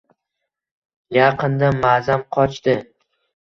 - Yaqinda mazam qochdi.